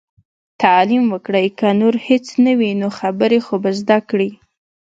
تعليم وکړئ! که نور هيڅ نه وي نو، خبرې خو به زده کړي.